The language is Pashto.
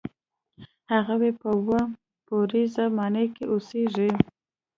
هغوی په اووه پوړیزه ماڼۍ کې اوسېږي.